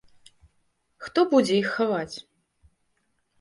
Хто будзе іх хаваць?